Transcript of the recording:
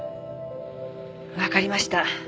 わかりました。